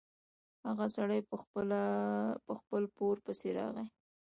هغه سړی په خپل پور پسې راغی.